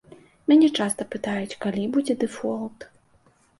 Мяне часта пытаюць, калі будзе дэфолт.